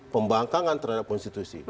pembangkangan terhadap konstitusi